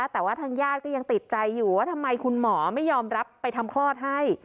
แต่ว่าทางญาติก็ยังติดใจอยู่ว่าทำไมคุณหมอไม่ยอมรับไปทำคลอดให้